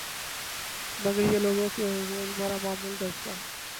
مگر یہ لوگوں کے روزمرہ معمول کا حصہ ہے